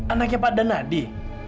anaknya pak danadi